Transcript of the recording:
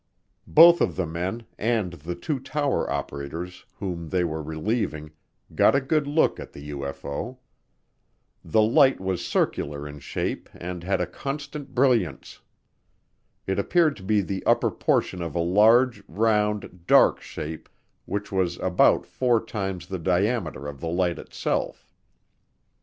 Both of the men, and the two tower operators whom they were relieving, got a good look at the UFO. The light was circular in shape and had a constant brilliance. It appeared to be the upper portion of a large, round, dark shape which was about four times the diameter of the light itself.